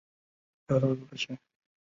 曾经是中国最大的鸦片贩子。